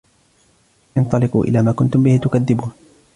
انطلقوا إلى ما كنتم به تكذبون